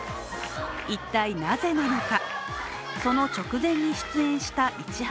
一体なぜなのか。